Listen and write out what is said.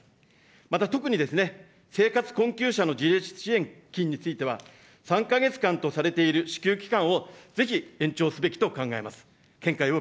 また特にですね、生活困窮者の自立支援金については、３か月間とされている支給期間を、ぜひ延長すべきと考えます。